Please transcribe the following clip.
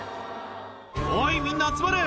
おい、みんな集まれ！